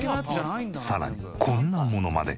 さらにこんなものまで。